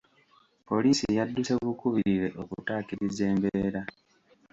Poliisi yadduse bukubirire okutaakiriza embeera.